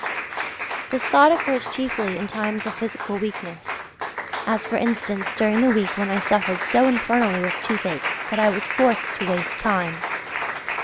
This thought occurs chiefly in times of physical weakness, as for instance, during the week when I suffered so infernally with toothache that I was forced to waste time.